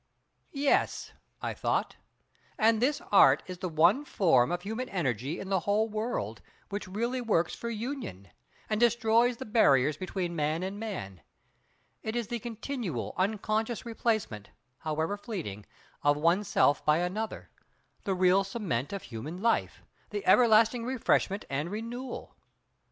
Yes—I thought—and this Art is the one form of human energy in the whole world, which really works for union, and destroys the barriers between man and man. It is the continual, unconscious replacement, however fleeting, of oneself by another; the real cement of human life; the everlasting refreshment and renewal.